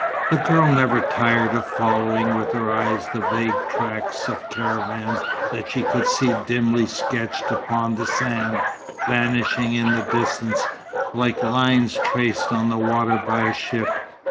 The girl never tired of following with her eyes the vague tracks of caravans that she could see dimly sketched upon the sand, vanishing in the distance, like lines traced on the water by a ship.